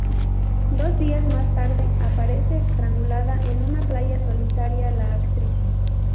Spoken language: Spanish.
Dos días más tarde aparece estrangulada en una playa solitaria la actriz.